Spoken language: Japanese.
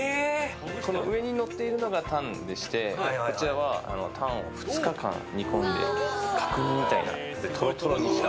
上にのっているのがタンでしてこちらはタンを２日間煮込んで角煮みたいなトロトロに。